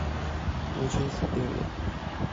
完全死掉了